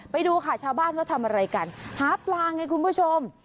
ไปดูค่ะชาวบ้านเขาทำอะไรกันหาปลาไงคุณผู้ชม